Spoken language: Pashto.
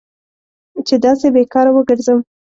چې داسې بې کاره وګرځم.